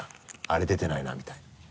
「あれ出てないな」みたいな。